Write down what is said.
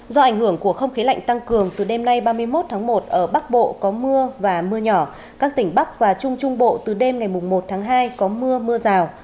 do ảnh hưởng của không khí lạnh tăng cường từ đêm nay ba mươi một tháng một ở bắc bộ có mưa và mưa nhỏ các tỉnh bắc và trung trung bộ từ đêm ngày một tháng hai có mưa mưa rào